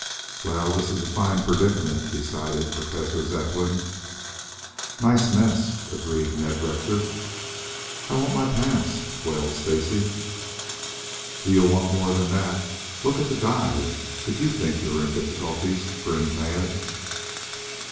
"Well, this is a fine predicament," decided Professor Zepplin. "Nice mess," agreed Ned Rector. "I want my pants," wailed Stacy. "You'll want more than that. Look at the guide, if you think you are in difficulties," grinned Tad.